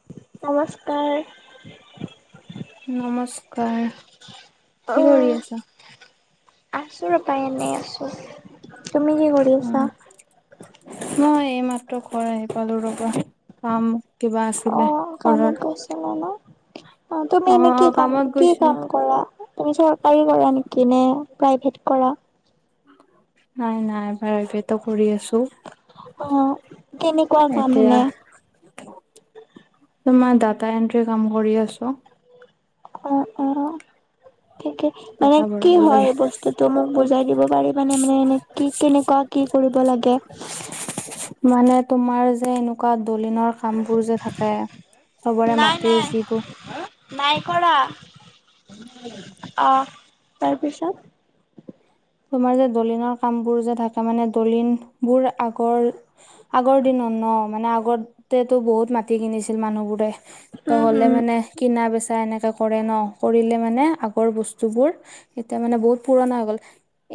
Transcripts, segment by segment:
নমস্কাৰ। নমস্কাৰ। কি কৰি আছা? আছোঁ ৰ'বা এনেই আছোঁ। তুমি কি কৰি অ আছা? মই এইমাত্ৰ ঘৰ আহি পালোঁ ৰ'বা। কাম কিবা আছিলে অ', ঘৰৰ কামত গৈছিলা ন'? অ', তুমি এনে কি অ কাম, কামত কি গৈছিলো কাম কৰা? তুমি চৰকাৰী কৰা নেকি নে প্ৰাইভেট কৰা? নাই নাই প্ৰাইভেটো কৰি আছোঁ। অ'। কেনেকুৱা কাম এতিয়া, এনে তোমাৰ ডাটা এন্ট্ৰি কাম কৰি আছোঁ। অ', অ', ঠিকে। মানে ডাটা কি ভৰাব হয় লাগে এই বস্তু টো মোক বুজাই দিব পাৰিবানে, মানে এনে কি কেনেকুৱা কি কৰিব লাগে? মানে তোমাৰ যে এনেকুৱা দলিনৰ কাম বোৰ যে থাকে, চবৰে নাই মাটিৰ নাই যিবোৰ নাই কৰা। অ', তাৰপিছত? তোমাৰ যে দলিনৰ কাম বোৰ যে থাকে মানে দলিন বোৰ আগৰ আগৰ দিনত ন', মানে আগতেতো বহুত মাটি কিনিছিল মানুহবোৰে। উম তহ'লে হুম মানে কিনা বেচা এনেকে কৰে ন' কৰিলে মানে আগৰ বস্তুবোৰ এতিয়া মানে বহুত পুৰণা হৈ গ'ল।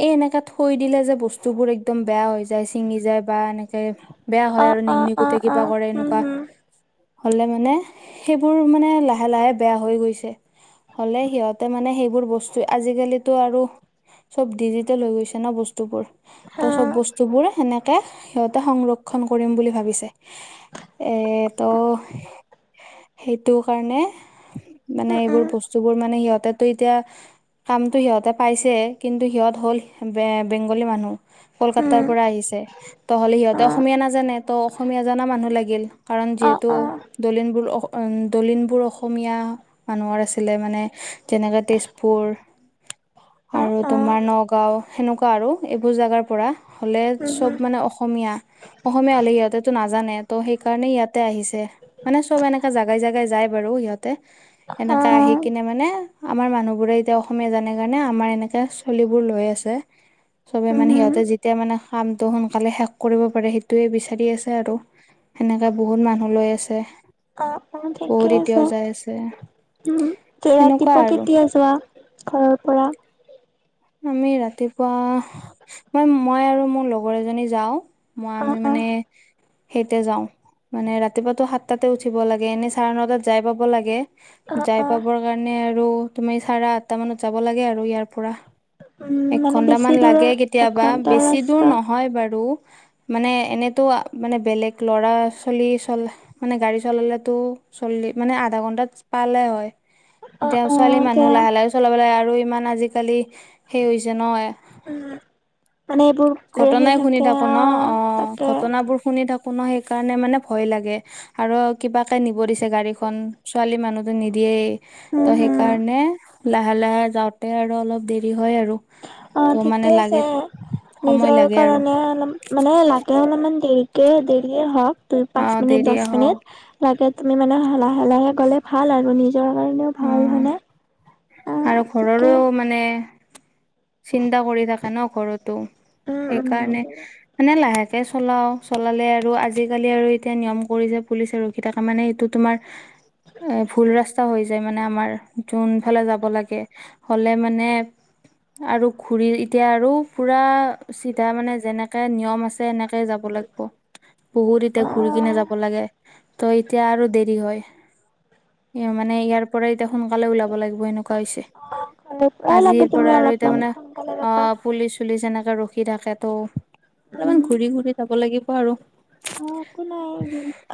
এই এনেকাে থৈ দিলে যে বস্তুবোৰ একদম বেয়া হৈ যায়, ছিঙি যায় বা এনেকে বেয়া হয় অ আৰু অ নিগনি অ কুটে অ কিবা কৰে উম এনেকুৱা। হুম হ'লে মানে সেইবোৰ মানে লাহে-লাহে বেয়া হৈ গৈছে। হ'লে সিহঁতে মানে সেইবোৰ বস্তু আজিকালিতো আৰু চব ডিজিটেল হৈ গৈছে ন' বস্তুবোৰ, ত' চব হা বস্তু বোৰ সেনে কে সিহঁতে সংৰক্ষণ কৰিম বুলি ভাবিছে এ ত' সেইটো কাৰণে অ মানে ঠিকে এইবোৰ বস্তু বোৰ মানে সিহঁতেতো এতিয়া কামটো সিহঁতে পাইছে, কিন্তু সিহঁত হ'ল বে-বেংগলী মানুহ, কলকাতাৰ পৰা আহিছে। তহ'লে সিহঁতে অসমীয়া নাজানে ত' অসমীয়া জনা মানুহ লাগিল, কাৰণ যিহেতু দলিনবোৰ-দলিনবোৰ অসমীয়া মানুহৰ আছিলে মানে, যেনেকে তেজপুৰ আৰু তোমাৰ নগাঁও সেনেকুৱা আৰু এইবোৰ জাগাৰ পৰা। হ'লে চব মানে অসমীয়া। অসমীয়ালে সিহঁতেতো নাজানে ত' সেইকাৰণেই ইয়াতে আহিছে। মানে চব এনেকা জাগাই জাগাই যায় বাৰু সিহঁতে, এনেকা আহি কিনে মানে আমাৰ মানুহ বোৰে এতিয়া অসমীয়া জানে কাৰণে আমাৰ এনেকে ছোৱালীবোৰ লৈ আছে। চবে মানে সিহঁতে যেতিয়া মানে কামটো সোনকালে শেষ কৰিব পাৰে সেইটোয়ে বিচাৰি আছে আৰু। সেনেকা বহুত মানুহ লৈ আছে। অ', অ', ঠিকে বহুত এতিয়াও আছে যাই আছে উম, সেনেকুৱা ৰাতিপুৱা আৰু কেতিয়া যোৱা? ঘৰৰ পৰা। আমি ৰাতিপুৱা, ম-মই আৰু মোৰ লগৰ এজনী যাওঁ। মই অ আমি অ মানে সেইতে যাওঁ। মানে ৰাতিপুৱাটো সাতটাতে উঠিব লাগে, এনেই চাৰে নটাত যায় পাব লাগে। অ যায় অ পাবৰ কাৰণে আৰু তুমি চাৰে আঠটা মানত যাব লাগে আৰু ইয়াৰ পৰা। উম এক মানে ঘন্টামান বেছি লাগে দূৰৰ এক কেতিয়াবা ঘন্টাৰ বেছি দূৰ ৰাস্তা নহয় বাৰু। মানে এনেতো মানে বেলেগ ল'ৰা ছোৱালী চল মানে গাড়ী চলালেটো চল্লি মানে আধা ঘন্টাত পালে হয়। অ এতিয়া অ ছোৱালী মানুহ এতিয়া লাহে লাহে চলাব লাগে, আৰু ইমান আজিকালি সেই হৈছে নহয় উম উম মানে এইবোৰ হেৰি ঘটনাই শুনি থাকে থাকো অ ন, অঁ তাকে ঘটনাবোৰ শুনি থাকো ন সেইকাৰণে মানে ভয় লাগে। আৰু কিবাকে নিব দিছে গাড়ীখন ছোৱালী মানুহটো নিদিয়েই। ত উম হম সেইকাৰণে লাহে লাহে যাওঁতে আৰু অলপ দেৰি হয় আৰু। অঁ ত মানে ঠিকে আছে, লাগে সময় নিজৰ লাগে আৰু কাৰণে অলপ মানে লাগে অলপমান দেৰিকে দেৰিয়ে হওঁক দুই অ পাঁচ মিনিট দেৰিয়ে দছ হওক মিনিট লাগে তুমি মানে লাহে লাহে গ'লে ভাল আৰু, নিজৰ কাৰণেও অ ভাল হয় নে? আৰু ঘৰৰো মানে চিন্তা কৰি থাকে ন ঘৰতো। উম, উম সেইকাৰণে মানে লাহেকে চলাও চলালে আৰু আজিকালি আৰু এতিয়া নিয়ম কৰিছে পুলিচ আৰু সেইটাকে মানে এইটো তোমাৰ এ ভুল ৰাস্তাও হৈ যায় মানে আমাৰ যোন ফালে যাব হব লাগে, হ'লে মানে আৰু খুৰীৰ এতিয়া আৰু পোৰা চিধা মানে যেনেকে নিয়ম আছে এনেকে যাব লাগিব। বহুত এতিয়া ঘূৰি কিনে যাব লাগে ত এতিয়া আৰু দেৰি হয়। এ মানে ইয়াৰ পৰাই এতিয়া সোনকালে ওলাব লাগিব এনে কোৱা হৈছে, ঘৰৰ পৰাই লাগে আজিৰ তুমি পৰা আৰু এতিয়া অলপমান মানে সোনকালে যাবা অঁ পুলিচ পুলিচ এনেকে ৰখি থাকে তো উম। অলপমান ঘূৰি ঘূৰি যাব লাগিব আৰু। অ একো নাই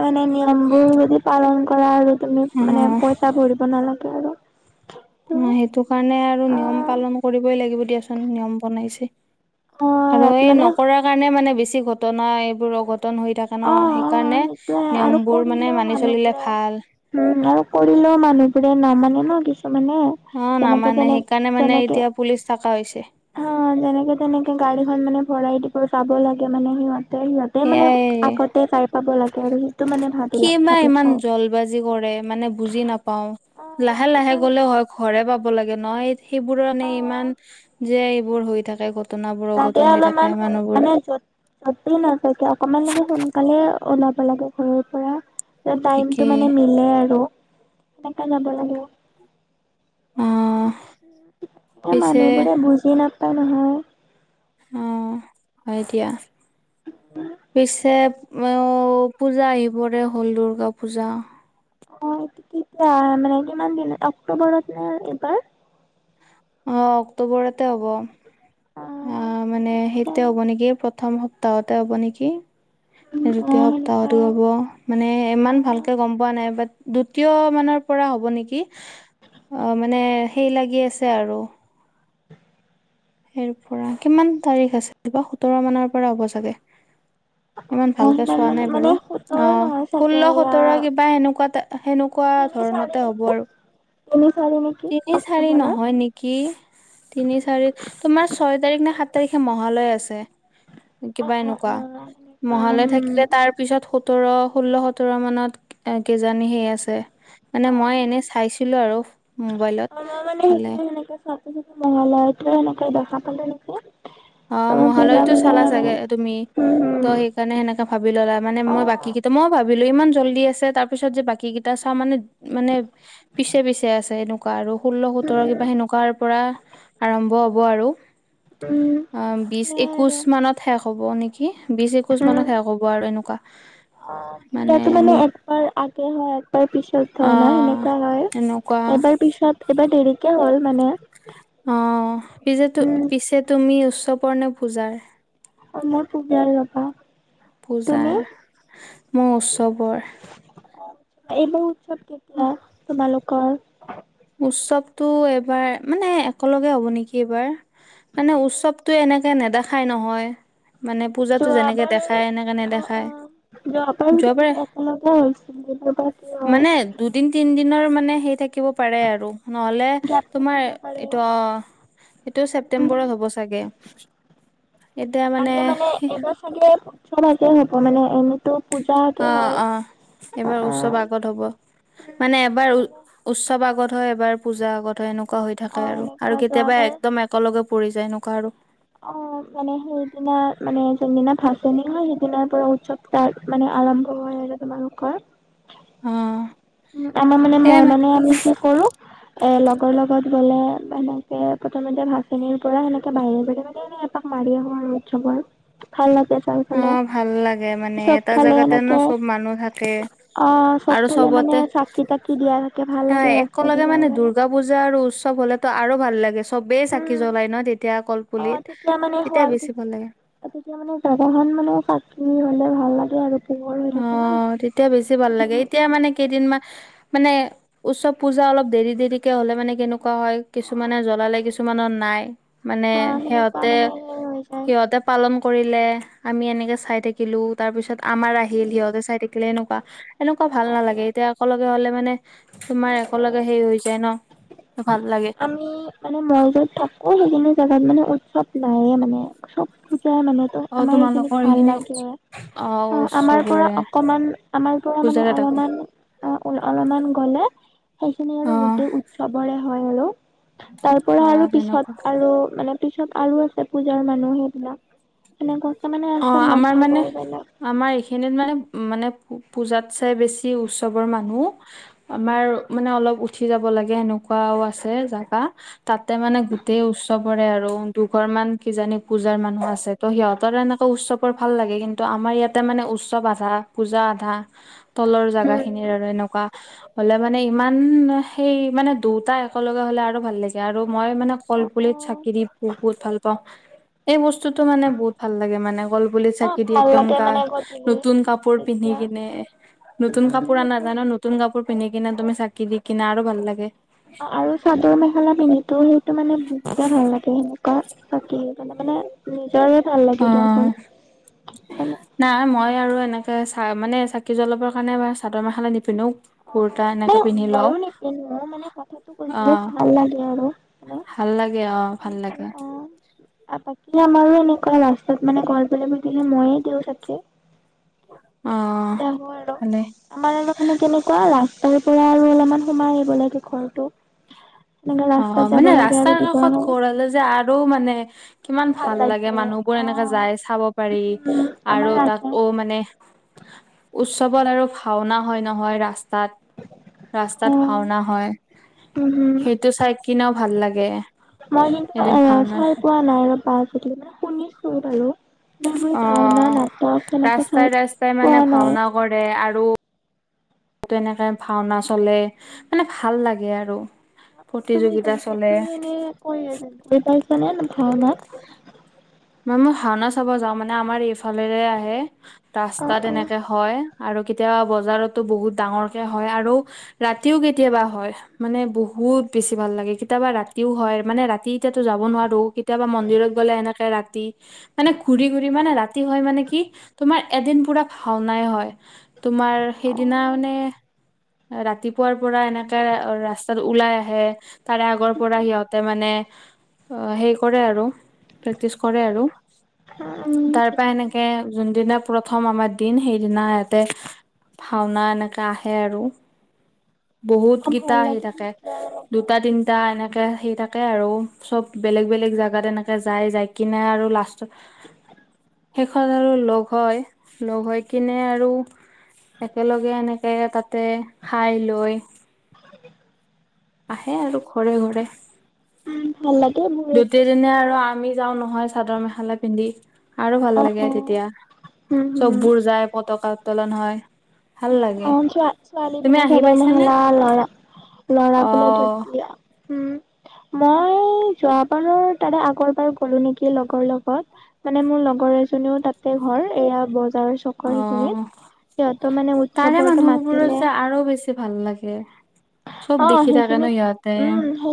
মানে নিয়ম বোৰ যদি পালন কৰা আৰু তুমি মানে অ', পইচা ভৰিব নালাগে আৰু। অ ত' সেইটো কাৰণে আৰু নিয়ম অ', পালন কৰিবই লাগিব দিয়াচোন, নিয়ম বনাইছে। অ', আৰু ৰাত এই মানে নকৰাৰ কাৰণে মানে বেছি ঘটনা এইবোৰ অঘটন হৈ থাক অ ন অ সেইকাৰণে সেইটোয়ে আৰু নিয়মবোৰ মানে কৰিলেও মানি চলিলে মানুহবোৰে ভাল। উম আৰু কৰিলেও মানুহবোৰে নামানে ন কিছুমানে। অ যেনেকে নামানে তেনে সেইকাৰণে মানে যেনেকে এতিয়া পুলিচ থকা হৈছে। অ যেনেকে তেনেকে গাড়ীখন মানে ভৰাই দিব চাব লাগে মানে সিহতে, সিহঁতে মানে সেয়াই আগতে যাই পাব লাগে আৰু সেইটো মানে ভাবি কি বা ভাবি ইমান থওঁ জল বাজি কৰে মানে বুজি নাপাওঁ! অ লাহে লাহে লাগেতো গ'লেও হয় ঘৰে পাব লাগে ন, সেইবোৰ মানে অ ইমান যে এইবোৰ হৈ থাকে ঘটনাবোৰ সিহঁতে অঘটন হৈ থাকে অলপমান মানুহবোৰ মানে যত যতেই নাজাওক কিয় অকমান মানে সোনকালে ওলাব লাগে ঘৰৰ পৰা। ত টাইমটো ঠিকেই মানে মিলে আৰু তেনেকে যাব লাগে। আহ তাকে পিছে মানুহবোৰে বুজি নাপায় নহয়। অ হয় দিয়া পিছে ঔ পূজা আহিবৰে হ'ল দুৰ্গা পূজা। অ কেতিয়া মানে কিমান দিনত অক্টোবৰত নে এইবাৰ? অঁ অক্টোবৰতে হ'ব। অঁ। অ মানে সেইটো হ'ব নেকি? প্ৰথম সপ্তাহতে হ'ব নেকি? অ' দ্বিতীয় সপ্তাহটো সেনেকুৱাই হব। মানে ইমান অ' ভালকে গ'ম পোৱা নাই, বাট দ্বিতীয় মানৰ পৰা হ'ব নিকি। অ' মানে সেই লাগি আছে আৰু। সে পৰা, কিমান তাৰিখ আছিল বা? সোতৰ মানৰ পৰা হ'ব চাগে। ইমান অ ভালকে সিমান চোৱা মানে নাই বাৰু, মানে সোতৰ অ' নহয় চাগে ষোল্ল, এয়া সোতৰ কিবা এনেকুৱা তে সেনেকুৱা তিনি চাৰি ধৰণতে হ'ব নেকি আৰু। তিনি, চাৰি মি তিনি, চাৰি নহয় নে। কি, তিনি, চাৰি তোমাৰ ছয় তাৰিখ নে, সাত তাৰিখে মহালয় আছে। কিবা অ' অ' এনেকুৱা, অ' সেনেকুৱা উম। মহালয় থাকিলে তাৰ। পিছত সোতৰ, ষোল্ল, সোতৰ মানত কিজানি সে আছে। মানে মই এনেই চাইছিলো আৰু। মোবাইলত অ' মই মানে সেইটো হ'লে সেনেকে চাওঁতে, চাওঁতে, মহালয়াটোৱে সেনেকে দেখা পালো নেকি। অ' মহালয়াটো বুজাবলে চালা চাগে মানে তুমি, উম, ত' উম, সেইকাৰণে সেনেকে ভাবি ল'লা, মানে মই বাকী অ' কি মই ভাবিলোঁ ইমান জল্দি আছে, তাৰপিছত যে বাকী কেইটা চাওঁ মানে মানে পিছে পিছে আছে, এনেকুৱা আৰু, ষোল্ল, সোতৰ উম, কিবা সেনেকুৱাৰ। পৰা আৰম্ভ হ'ব আৰু। উম। অ' বিশ সেয়াই একৈশ আৰু মানত শেষ হ'ব নেকি, বিশ এ একৈশ মানত শেষ হব আৰু এনেকুৱা। অ' পূজাটো মানে একবাৰ আগে হয়, একবাৰ পিছত হয় ন, অ' সেনেকুৱা হয়, এনেকুৱা এবাৰ পিছত এবাৰ দেৰিকে হ'ল মানে। অ' পিছে টো উম পিছে তুমি উৎসৱৰ নে পূজাৰ? অ' মই তোক বেয়া নেপাওঁ। পূজাৰ, মই উৎসৱৰ। এইবোৰ মহোৎসৱ কেতিয়া, তোমালোকৰ? উৎসৱটো এইবাৰ মানে একেলগে হ'ব নেকি এইবাৰ, মানে উৎসৱ তো এনেকে নেদেখাই নহয়। মানে পূজাতো যেনেকে যোৱাবাৰ দেখায়, এনেকে অ অ নেদেখায়। যোৱাবাৰ। কিন্তু একেলগে হৈছিল এইবাৰ বা কি হয় মানে দুদিন, তিন দিনৰ মানে হেই থাকিব। পাৰে আৰু, নহলে গেপ তোমাৰ থাকিব পাৰে এইটো অ' সেইটো উম ছেপ্তেম্বৰত হ'ব চাগে। এতিয়া মানে থাকে, প্ৰথমতে হ'ব মানে এ অ' অ' এইবাৰ অ অ উৎসৱ আগত হ'ব। উম মানে এবাৰ উ এনে উৎসৱ আগত হয়, এবাৰ পূজা আগত হয়, এন কোৱা হৈ অ থাকে আৰু, সেনেকুৱা আৰু কেতিয়াবা যোৱাবাৰ একদম একেলগে পৰি যায় এনেকুৱা আৰু। অ' মানে সেইদিনা মানে যোনদিনা ভচনি হয়, সেইদিনাৰ পৰা উৎসৱ তাত মানে আৰম্ভ হয় আৰু তোমালোকৰ। অ'। উম' আমাৰ মানে মই মানে আমি কি কৰো। এ লগৰ লগত গ'লে সেনেকে প্ৰথমতে ভাচনিৰ পৰা সেনেকে বাহিৰে, বাহিৰে মানে এনে এপাক মাৰি আহো আৰু উৎসৱৰ, ভাল লাগে। তলফালে অ' ভাল লাগে মানে এটা চবফালে জেগাতে ন সেনেকে, চব মানুহ থাকে। অ' আৰু চবফালে। মানে চবতে চাকি তাকি দিয়া থাকে, ভাল লাগে, হয় ৰাস্তাত একেলগে উলাই মানে গলে। দুৰ্গা পূজা আৰু উৎসৱ হলেতো আৰু ভাল লাগে। চবেই চাকি উম জ্বলাই ন' তেতিয়া অ কলপুলিত, তেতিয়া মানে তেতিয়া বেছি শুৱালকুছি ভাল লাগে। তেতিয়া মানে জাগা খন মানে চাফ চিকুন হ'লে ভাল লাগে আৰু। পোহৰ হৈ থাকে ন। অ' তেতিয়া বেছি ভাল লাগে, এতিয়া মানে কেইদিনমান মানে উৎসৱ পূজা অলপ দেৰি দেৰিকে হ'লে মানে কেনেকুৱা হয়, কিছুমানে জ্বলালে কিছুমানৰ নাই। মানে হা সেনেকুৱা সিহঁতে মানে সেই হৈ যায়। সিহঁতে পালন কৰিলে আমি এনেকে চাই থাকিলো। তাৰপিছত আমাৰ আহিল সিহঁতে চাই থাকিলে। এনেকুৱা এনেকুৱা ভাল নালাগে, এতিয়া একেলগে হ'লে মানে তোমাৰ একেলগে হে হৈ যায় ন ভাল লাগে। আমি মানে মই য'ত থাকো সেইখিনো জোগাত মানে উৎসৱ নাইয়ে মানে। চব পূজাই মানে। অ আমাৰ এইখিনি তোমালোকৰ ভাল সেইখিনি লাগে, অ' আমাৰ পৰা অকমান আমাৰ ত' মানে পূজাৰে তাকো অলপমান অ' অলপমান গ'লে সেইখিনি আৰু অ' গোটেই উৎস চবৰে হয় আৰু। তাৰ পৰা আৰু অ' তেনেকুৱা পিছত আৰু মানে পিছত আৰু আছে পূজাৰ মানুহ সেইবিলাক। সেনেকুৱাকে মানে আছে অ' ভাগ আমাৰ মানে ভাগৰ বিলাক। আমাৰ এইখিনিত মানে মানে পূজাত চাই বেছি উৎসৱৰ মানুহ- আমাৰ মানে অলপ উঠি যাব লাগে এনেকুৱাও আছে জেগা। তাতে মানে গোটেই উৎসৱৰে আৰু দুঘৰ মান কিজানি পূজাৰ মানুহ আছে। ত' সিহঁতৰ ন উৎসৱৰ ভাল লাগে, কিন্তু আমাৰ ইয়াতে মানে উৎসৱ আধা পূজা আধা। তলৰ জাগা খিনিৰ আৰু এনেকুৱা। হ'লে মানে ইমান সেই মানে দুটা একেলগে হ'লে আৰু ভাল লাগে। আৰু মই মানে অ', কলপুলিত অ', চাকি দি বহুত ভাল পাওঁ। এই বস্তুতটো মানে, বহুত ভাল লাগে মানে কল পুলিত অ', চাকি দি ভাল একদম লাগে গা মানে গধূলি নতুন কাপোৰ পিন্ধি তেতিয়া কিনে নতুন উম, কাপোৰ অনা সেইটো যায়। নতুন নতুন কাপোৰ পিন্ধি কিনে, তুমি চাকি দি কিনে আৰু ভাল লাগে। আৰু চাদৰ মেখেলা পিন্ধিও সেইটো মানে বহুতে ভাল লাগে সেনেকুৱা। চাকি দিবলে মানে নিজৰে ভাল লাগে অ দিয়চোন। নাই মই আৰু এনেকে চা মানে চাকি জ্বলাবৰ কাৰণে চাদৰ মেখেলা নিপিন্ধো। কুৰ্তা অঁ, এনেকে অঁ, মানে পিন্ধি লওঁ মইও নপিন্ধো, মানে কথাটো কৈছিলো অ', ভাল লাগে আৰু মানে। ভাল লাগে অ' ভাল লাগে। আৰু বাকী আমাৰো এনেকুৱা লাষ্টত মানে কল পুলি ৰুলে মইয়ে দিওঁ চাকি। অ', আমাৰ আৰু ভালে আমাৰ আৰু মানে কেনেকুৱা। কোৱা ৰাস্তাৰ পৰা আৰু অলপমান সোমাই আহিব লাগে ঘৰটো। এনেকে অ' ৰাস্তাত যাব মানে লাগে আৰু ৰাস্তাৰ ৰাতিপুৱা কাষত ঘৰ হ'লে যে আৰু মানে কিমান ভাল লাগে, মানুহবোৰ এনেকে যাই চাব পাৰি, উম, আমাৰ আৰু তাক ৰাস্তা অ' মানে উৎসৱত আৰু ভাওনা হয় নহয় ৰাস্তাত, ৰাস্তাত অ', ভাওনা হয়। উম, হুম। সেইটো চাই কিনেও ভাল লাগে, এদিন ভাওনা কোৱা নাই ৰ পা যদি মানে শুনিছো বাৰু। [unintelligible] এইবোৰ ভাওনা অ', নাটক তেনেকে ৰাস্তাই চাই ৰাস্তাই মানে পোৱা নাই। ভাওনা কৰে, আৰু। এনেকে ভাওনা চলে, মানে ভাল লাগে আৰু। তুমি প্ৰতিযোগিতা কৈছা চলে তুমি এনে কৈ গৈ পাইছানে ভাওনাত? মই ভাওনা চাব যাওঁ মানে। আমাৰ এইফালেৰে আহে অ', ৰাস্তা অ'। তেনেকে- হয়। আৰু কেতিয়াবা বজাৰতো বহুত ডাঙৰকে হয়, আৰু ৰাতিও কেতিয়াবা হয়। মানে বহুত বেছি ভাল লাগে কেতিয়াবা ৰাতিও হয়, মানে ৰাতি এতিয়াতো যাব নোৱাৰো। কেতিয়াবা মন্দিৰত গ'লে এনেকে ৰাতি, মানে ঘূৰি ঘূৰি মানে ৰাতি হয়। মানে কি তোমাৰ এদিন পুৰা ভাওনাই হয়, তোমাৰ সেইদিনা উম, মানে ৰাতিপুৱাৰ পৰা এনেকে ৰাস্তাত ওলাই আহে। তাৰে আগৰ পৰা সিহঁতে মানে সেই কৰে আৰু প্ৰেক্টিচ কৰে আৰু। তাৰ পৰা এনেকে যোনদিনা প্ৰথম আমাৰ দিন সেইদিনা ইয়াতে ভাওনা এনেকা আহে আৰু। বহুত অ', গিতা ভাল আহি লাগে থাকে তেতিয়া অলপমান। দুটা তিনি তা এনেকে সেই থাকে আৰু চব বেলেগ বেলেগ জেগাত এনেকে যায় যাই কিনে আৰু লাষ্টত শেইখনত আৰু লগ হয় লগ হৈ কিনে আৰু একেলগে এনেকে তাতে খাই লৈ [unintelligible] আহে আৰু ঘৰে ঘৰে উম, ভাল লাগে মোৰ দ্বিতীয় এইবোৰ দিনা চাবলৈ। আৰু আমি যাওঁ নহয় চাদৰ মেখা মেখেলা পিন্ধি আৰু ভাল অ', অ'। লাগে তেতিয়া উম, হুম, চববোৰ যায় পতকা উত্তলন হয়। ভাল লাগে অ' ছোৱা-ছোৱালী তুমি বিলাক আহি চাদৰ পাইছানে মেখেলা ল'ৰা ল'ৰা অ বিলাক ধুতি আৰু উম মই যোৱাবাৰৰ তাৰে আগৰ বাৰ গ'লো নেকি লগৰ লগত। মানে মোৰ লগৰ এজনীও তাতে ঘৰ এয়া বজাৰ চ অ' তাৰে উৎসৱৰটো মানুহবোৰত মাতিলে, যে আৰু বেছি ভাল লাগে। চব দেখি থাকে ন সিহঁতে।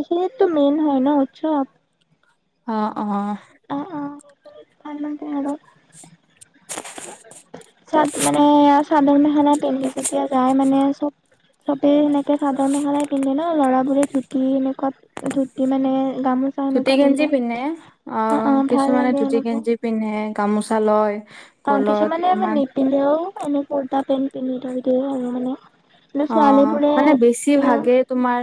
এইটো মেইন হয় ন উৎসৱ। অ' অ'। অ' অ' তাৰ মানে আৰু [unintelligible] তাত মানে চাদৰ মেখেলা পিন্ধি যেতিয়া যায় মানে চব। চবে সেনেকে চাদৰ মেখেলাই পিন্ধে ন ল'ৰাবোৰে ধুতি এনেকুৱা ধুতি মানে গামোচ ধুতি গেঞ্জি পিন্ধে অ' ভাল কিছুমানে লাগে ধুতি এনেকে গেঞ্জি পিন্ধে গামোচা লয়। অ' গলত কিছুমানে ইমান নিপিন্ধেও এনে কোটা পেণ্ট পিন্ধি থৈ দিয়ে আৰু মানে। কিন্তু অ' মানে বেছি ছোৱালীবোৰে ভাগে তোমাৰ